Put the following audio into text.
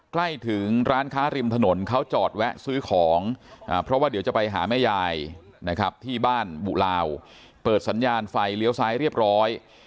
ใกล้ถึงร้านค้าริมถนนเขาจอดแวะซื้อของเพราะว่าเดี๋ยวจะไปหาแม่ยายนะครับที่บ้านบุลาวเปิดสัญญาณไฟเลี้ยวซ้ายเรียบร้อย